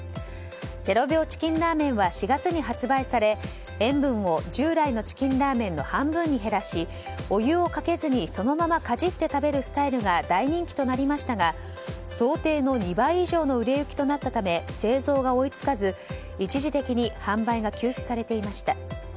０秒チキンラーメンは４月に発売され、塩分を従来のチキンラーメンの半分に減らしお湯をかけずに、そのままかじって食べるスタイルが大人気となりましたが想定の２倍以上の売れ行きとなったため製造が追いつかず一時的に販売が休止されていました。